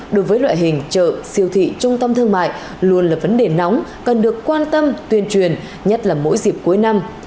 đối với loại hình chợ siêu thị trung tâm thương mại luôn là vấn đề nóng cần được quan tâm tuyên truyền nhất là mỗi dịp cuối năm